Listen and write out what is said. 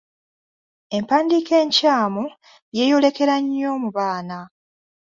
Empandiika enkyamu yeeyolekera nnyo mu baana.